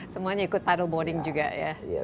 semuanya ikut pardle boarding juga ya